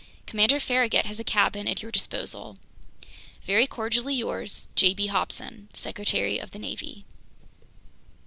Commander Farragut has a cabin at your disposal. Very cordially yours, J. B. HOBSON, Secretary of the Navy.